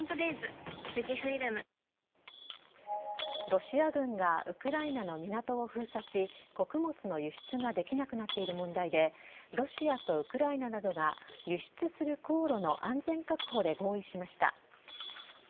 ロシア軍がウクライナの港を封鎖し穀物の輸出ができなくなっている問題でロシアとウクライナなどが輸出する航路の安全確保で合意しました。